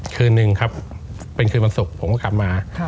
คืนหนึ่งครับเป็นคืนวันศุกร์ผมก็กลับมา